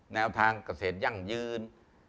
แนวทางเกษตรยั่งยืน